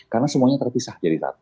karena semuanya terpisah jadi satu